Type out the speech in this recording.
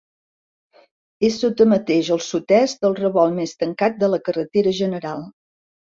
És sota mateix, al sud-est, del revolt més tancat de la carretera general.